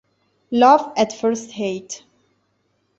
Love at First Hate